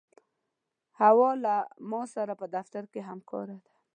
حوا له ما سره په دفتر کې همکاره ده.